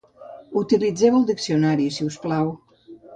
Utilitzeu el diccionari sisplau